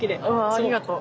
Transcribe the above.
あありがとう。